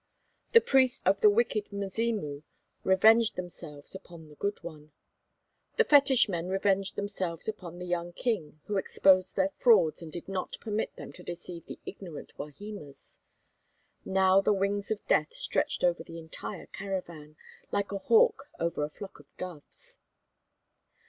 The priests of the wicked Mzimu revenged themselves upon the good one. The fetish men revenged themselves upon the young king who exposed their frauds and did not permit them to deceive the ignorant Wahimas. Now the wings of death stretched over the entire caravan like a hawk over a flock of doves.